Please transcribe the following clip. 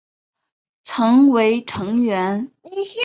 曾为成员。